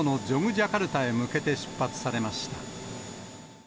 ジャカルタへ向けて出発されました。